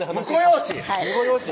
婿養子！